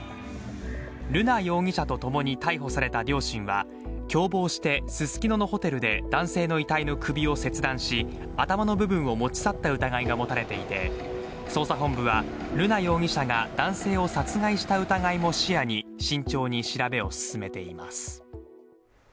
瑠奈容疑者と共に逮捕された両親は、共謀してススキノのホテルで男性の遺体の首を切断し頭の部分を持ち去った疑いが持たれていて捜査本部は瑠奈容疑者が男性を殺害した疑いも視野に慎重に調べを進めています。